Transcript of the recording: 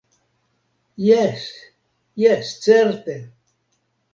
Jes, jes, certe!